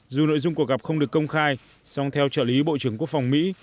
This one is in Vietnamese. dù nội dung cuộc gặp không được công khai song theo trợ lý bộ trưởng quốc phòng mỹ